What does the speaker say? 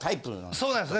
そうなんですよ。